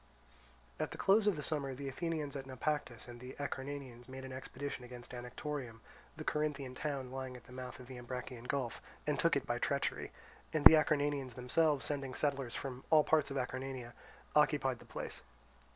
At the close of the summer, the Athenians at Naupactus and the Acarnanians made an expedition against Anactorium, the Corinthian town lying at the mouth of the Ambracian Gulf, and took it by treachery; and the Acarnanians themselves, sending settlers from all parts of Acarnania, occupied the place.